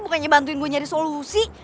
bukannya bantuin gue nyari solusi